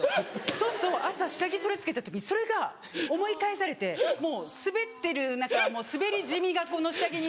そうすると朝下着それ着けた時それが思い返されてもうスベってる何かもうスベり染みがこの下着に。